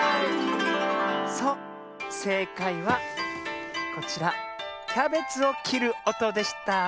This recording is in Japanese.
そうせいかいはこちらキャベツをきるおとでした。